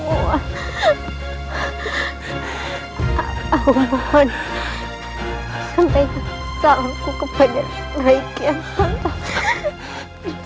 awal awal santai salamku kepada rakyat